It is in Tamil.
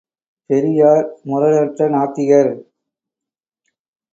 பெரியார் முரணற்ற நாத்திகர்.